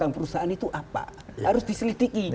perusahaan itu apa harus diselidiki